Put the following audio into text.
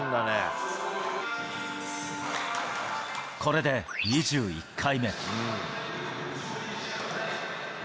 これで２１回目。